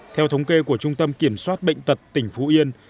theo thống kê của trung tâm kiểm soát bệnh tật tỉnh phú yên